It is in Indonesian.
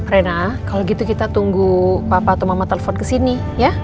rena kalau gitu kita tunggu papa atau mama telepon kesini ya